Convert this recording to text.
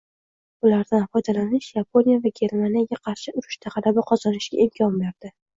ulardan foydalanish Yaponiya va Germaniyaga qarshi urushda g‘alaba qozonishga imkon berdi.